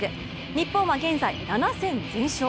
日本は現在、７戦全勝。